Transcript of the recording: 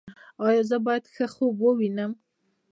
ایا زه باید ښه خوب ووینم؟